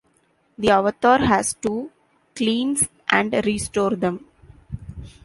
The Avatar has to cleanse and restore them.